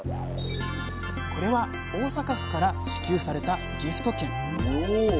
これは大阪府から支給されたギフト券。